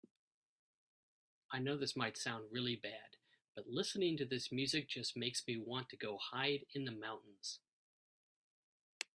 I know this might sound really bad, but listening to this music just makes me want to go hide in the mountains.